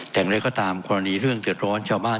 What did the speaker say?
แต่งเล็ก่อตามควรอันนี้เรื่องเตือดร้อนชาวบ้าน